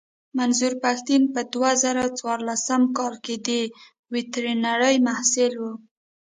منظور پښتين په دوه زره څوارلسم کې د ويترنرۍ محصل و.